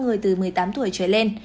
người từ một mươi tám tuổi trở lên